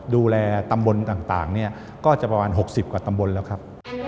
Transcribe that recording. ดูแลตำบลต่างเนี่ยก็จะประมาณ๖๐กว่าตำบลแล้วครับ